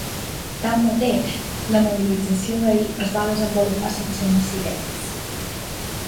Tanmateix, la mobilització d’ahir es va desenvolupar sense incidents.